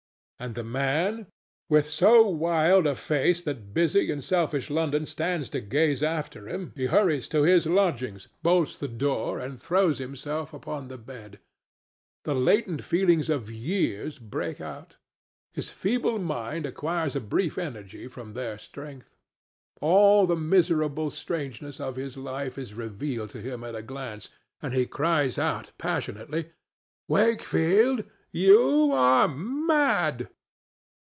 And the man? With so wild a face that busy and selfish London stands to gaze after him he hurries to his lodgings, bolts the door and throws himself upon the bed. The latent feelings of years break out; his feeble mind acquires a brief energy from their strength; all the miserable strangeness of his life is revealed to him at a glance, and he cries out passionately, "Wakefield, Wakefield! You are mad!"